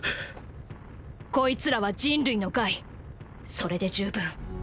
こいつらは人類の害それで十分。